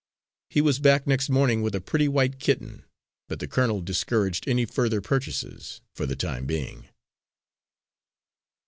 He was back next morning with a pretty white kitten, but the colonel discouraged any further purchases for the time being.